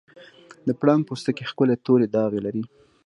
د پړانګ پوستکی ښکلي تورې داغې لري.